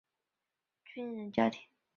哈丁出生在德国海德堡的一个军人家庭。